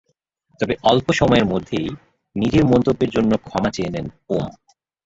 তবে অল্প সময়ের মধ্যেই নিজের মন্তব্যের জন্য ক্ষমা চেয়ে নেন ওম।